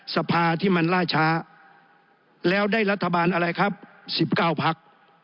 สภาที่มันล่าช้าแล้วได้รัฐบาลอะไรครับ๑๙พัก